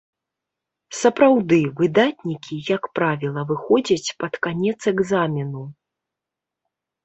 Сапраўды, выдатнікі, як правіла, выходзяць пад канец экзамену.